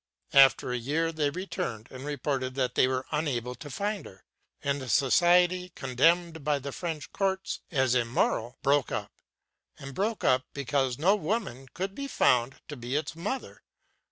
After a year they returned and reported that they were unable to find her; and the society, condemned by the French courts as immoral, broke up, and broke up because no woman could be found to be its mother.